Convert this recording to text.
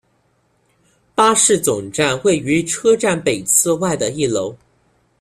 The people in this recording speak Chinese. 巴士总站位于车站北侧外的一楼。